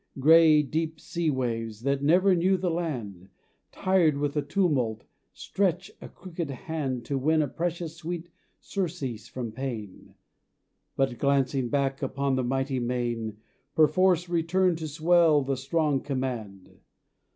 Grey deep sea waves that never knew the land, Tired with the tumult, stretch a crooked hand To win a precious sweet surcease from pain, But, glancing back upon the mighty main, Perforce return to swell the strong command.